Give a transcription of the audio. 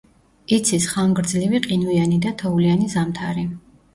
იცის ხანგრძლივი ყინვიანი და თოვლიანი ზამთარი.